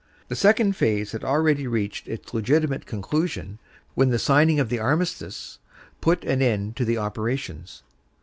"The second phase had already reached its legitimate conclusion when the signing of the armistice put an end to the operations.